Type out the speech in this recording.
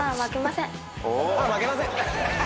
「まあ負けません」